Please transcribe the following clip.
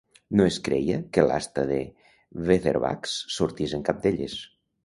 No es creia que l'Asta de Weatherwax sortís en cap d'elles.